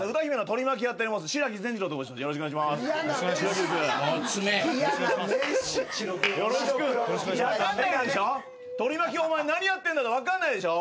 取り巻きお前何やってんだか分かんないでしょ。